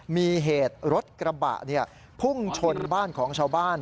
มีเหตุรถกระบะพุ่งชนบ้านของชาวบ้าน